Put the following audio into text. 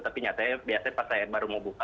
tapi nyatanya biasanya pas saya baru mau buka